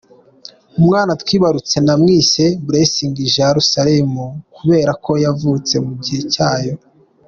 Umwana twibarutse, namwise Blessing Jerusalem kubera ko yavutse mu gihe cyayo".